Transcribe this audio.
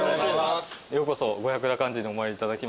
ようこそ五百羅漢寺にお参りいただきました。